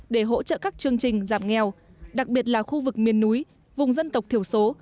để hỗ trợ các chương trình giảm nghèo đặc biệt là khu vực miền núi vùng dân tộc thiểu số